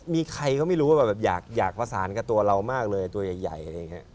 มีใครก็ไม่รู้ว่าแบบอยากประสานกับตัวเรามากเลยตัวใหญ่อะไรอย่างนี้